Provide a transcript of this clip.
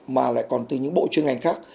mà còn từ những bộ chuyên ngành khác